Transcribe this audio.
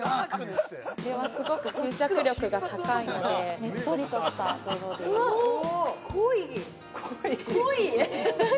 これはすごく吸着力が高いのでねっとりとしたそうですえうわっ